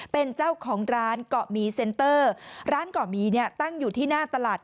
เป็นเจ้าของร้านเกาะหมีเซ็นเตอร์ร้านเกาะหมีเนี่ยตั้งอยู่ที่หน้าตลาด